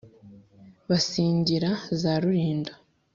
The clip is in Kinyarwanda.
bisingira za rulindo